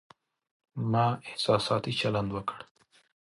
ما احساساتي چلند وکړ